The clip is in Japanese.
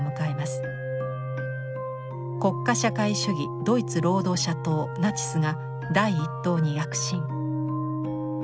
国家社会主義ドイツ労働者党ナチスが第一党に躍進。